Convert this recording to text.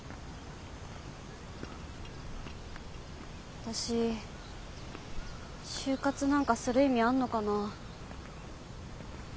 私就活なんかする意味あんのかな。